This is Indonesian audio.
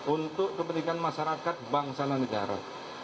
untuk kepentingan masyarakat bangsa dan negara